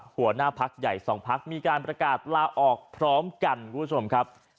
หัวหน้าพักใหญ่สองพักมีการประกาศลาออกพร้อมกันคุณผู้ชมครับ